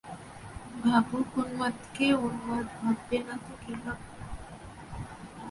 ভাবুক উন্মাদকে উন্মাদ ভাববে না তো কী ভাববে?